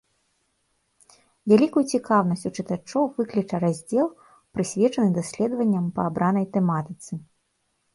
Вялікую цікаўнасць у чытачоў выкліча раздзел, прысвечаны даследаванням па абранай тэматыцы.